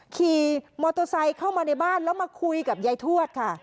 ขี่มอเตอร์ไซค์เข้ามาในบ้านแล้วมาคุยกับยายทวดค่ะ